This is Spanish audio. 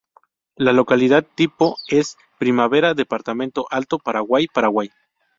La localidad tipo es: "Primavera, departamento Alto Paraguay, Paraguay".